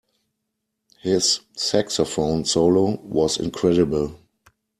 His saxophone solo was incredible.